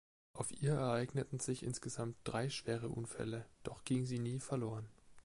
Auf ihr ereigneten sich insgesamt drei schwere Unfälle, doch ging sie nie verloren.